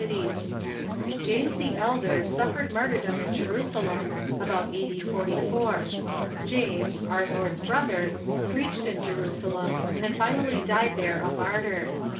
'^ nities. James the Elder suffered martyrdom in Jeru salem, about a.d. 44. James, our Lord's brother, preached in Jerusalem, and finally died there a martyr.